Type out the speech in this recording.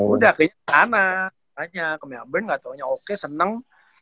udah ke sana nanya ke melbourne gak tau aja oke seneng